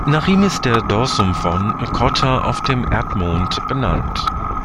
Nach ihm ist der Dorsum Von Cotta auf dem Erdmond benannt.